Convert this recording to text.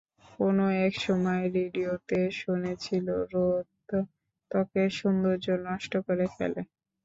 কোন এক সময় রেডিওতে শুনেছিল- রোদ ত্বকের সৌন্দর্য নষ্ট করে ফেলে।